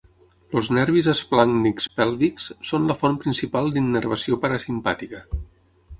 Els nervis esplàncnics pèlvics són la font principal d'innervació parasimpàtica.